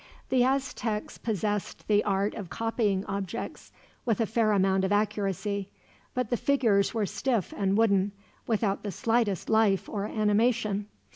The Aztecs possessed the art of copying objects with a fair amount of accuracy, but the figures were stiff and wooden, without the slightest life or animation.